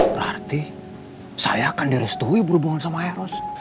berarti saya akan direstui berhubungan sama heros